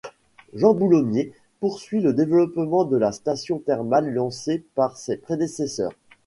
Jean Bouloumié poursuit le développement de la station thermale lancé par ses prédécesseurs.